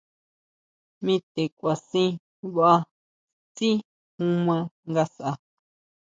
Mi te kʼua sʼí baá tsí ju maa ngasʼa.